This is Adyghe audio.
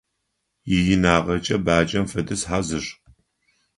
Иинагъэкӏэ баджэм фэдиз хьазыр.